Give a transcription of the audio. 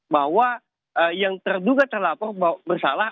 bahwa yang terduga terlapor bersalah